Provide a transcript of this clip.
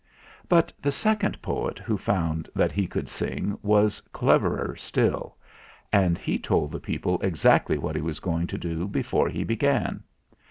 But the second poet who found that he could sing was cleverer still, and he told the people exactly what he was going to do before he began.